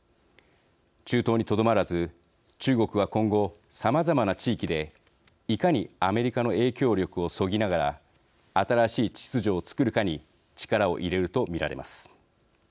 中東にとどまらず、中国は今後、さまざまな地域でいかにアメリカの影響力をそぎながら新しい秩序を作るかに力を入れると見られます。